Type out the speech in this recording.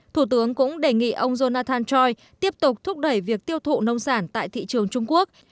thủ tướng cũng đề nghị ông jonathan choi tiếp tục thúc đẩy việc tiêu thụ nông sản tại thị trường trung quốc